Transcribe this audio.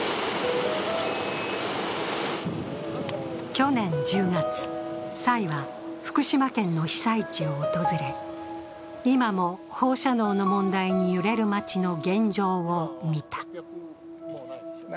去年１０月、蔡は福島県の被災地を訪れ、今も放射能の問題に揺れる町の現状を見た。